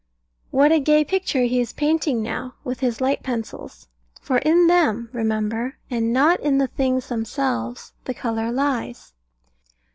What a gay picture he is painting now, with his light pencils; for in them, remember, and not in the things themselves the colour lies.